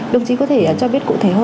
đồng chí có thể cho biết cụ thể hơn